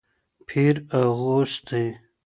پیر اغوستې